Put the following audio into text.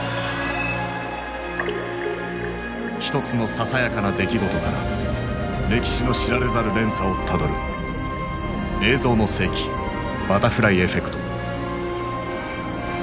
一つのささやかな出来事から歴史の知られざる連鎖をたどる「映像の世紀バタフライエフェクト」。